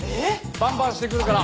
バンバンしてくるから。